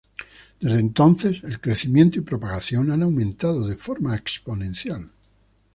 Desde entonces, el crecimiento y propagación ha aumentado de forma exponencial.